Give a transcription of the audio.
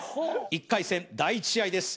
１回戦第１試合です